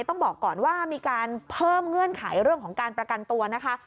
ต้องบอกก่อนว่ามีการเพิ่มเงื่อนไขเรื่องของการประกันตัวนะคะ